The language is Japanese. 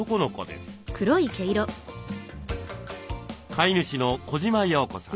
飼い主の児島葉子さん。